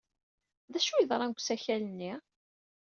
D acu ay yeḍran deg usakal-nni?